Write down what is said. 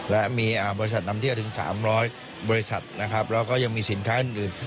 และมีบริษัทนำเที่ยวถึง๓๐๐บริษัทนะครับแล้วก็ยังมีสินค้าอื่น